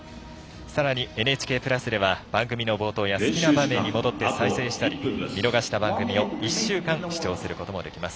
さらにＮＨＫプラスでは番組の冒頭や好きな場面に戻って再生したり、見逃した番組を１週間視聴することもできます。